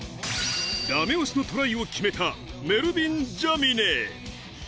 ダメ押しのトライを決めたメルヴィン・ジャミネ。